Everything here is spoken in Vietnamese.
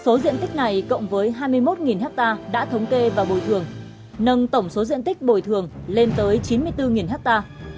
số diện tích này cộng với hai mươi một ha đã thống kê và bồi thường nâng tổng số diện tích bồi thường lên tới chín mươi bốn hectare